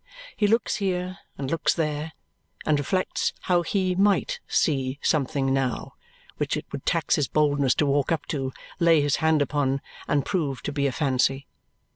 he looks here and looks there, and reflects how he MIGHT see something now, which it would tax his boldness to walk up to, lay his hand upon, and prove to be a fancy.